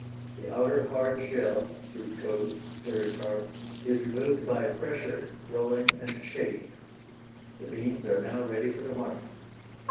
The outer hard shell (fruit coat, pericarp) is removed by pressure, rolling, and shaking. The beans are now ready for the market.